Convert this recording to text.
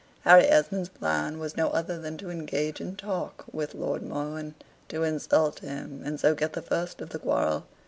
Harry Esmond's plan was no other than to engage in talk with Lord Mohun, to insult him, and so get the first of the quarrel.